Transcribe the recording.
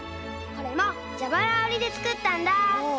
これもじゃばらおりでつくったんだ！